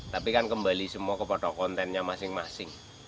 tapi kan kembali semua kepada kontennya masing masing